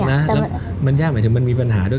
มันยากนะมันยากหมายถึงมันมีปัญหาด้วย